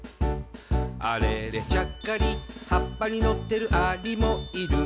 「あれれちゃっかり葉っぱにのってるアリもいる」